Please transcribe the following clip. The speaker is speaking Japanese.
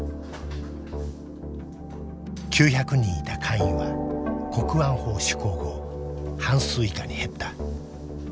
９００人いた会員は国安法施行後半数以下に減った。